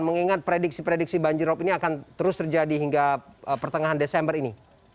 mengingat prediksi prediksi banjirop ini akan terus terjadi hingga pertengahan desember ini